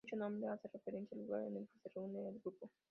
Dicho nombre hace referencia al lugar en el que se reunía el grupo.